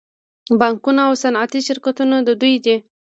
بانکونه او صنعتي شرکتونه د دوی دي